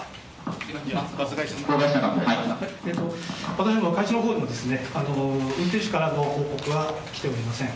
私ども、会社のほうからも運転手からの報告は来ておりません。